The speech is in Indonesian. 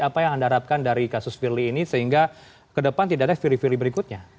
apa yang anda harapkan dari kasus firly ini sehingga ke depan tidak ada pilih pilih berikutnya